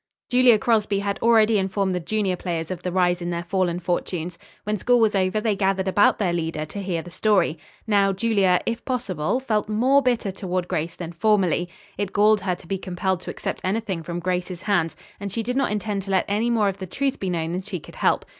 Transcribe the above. Julia Crosby had already informed the junior players of the rise in their fallen fortunes. When school was over they gathered about their leader to hear the story. Now, Julia, if possible felt more bitter toward Grace than formerly. It galled her to be compelled to accept anything from Grace's hands, and she did not intend to let any more of the truth be known than she could help.